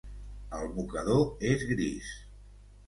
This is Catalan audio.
El mocador és gris.